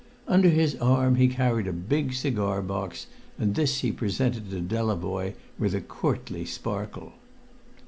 Under his arm he carried a big cigar box, and this he presented to Delavoye with a courtly sparkle.